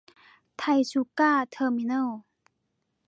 ไทยชูการ์ เทอร์มิเนิ้ล